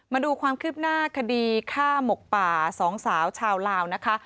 มาดูความคืบหน้าคดีฆ่าหมกป่าสองสาวชาวลาวนะคะ